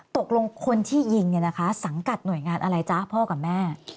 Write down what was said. ตกลงคนที่ยิงเนี่ยนะคะสังกัดหน่วยงานอะไรจ๊ะพ่อกับแม่